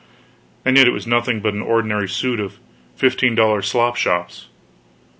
And yet it was nothing but an ordinary suit of fifteen dollar slop shops.